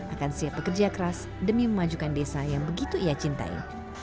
akan siap bekerja keras demi memajukan desa yang begitu ia cintai